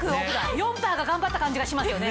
４％が頑張った感じがしますよね。